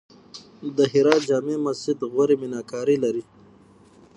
د هرات جمعې مسجد غوري میناکاري لري